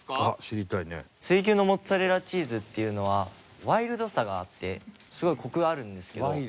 水牛のモッツァレラチーズっていうのはワイルドさがあってすごいコクがあるんですけど。